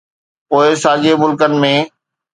پوء ساڳئي ملڪن ۾.